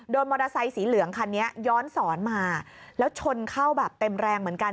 มอเตอร์ไซสีเหลืองคันนี้ย้อนสอนมาแล้วชนเข้าแบบเต็มแรงเหมือนกัน